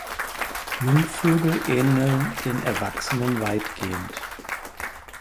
Jungvögel ähneln den Erwachsenen weitgehend.